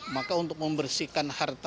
maka untuk membersihkan harta